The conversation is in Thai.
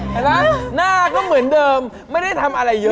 เห็นไหมหน้าก็เหมือนเดิมไม่ได้ทำอะไรเยอะ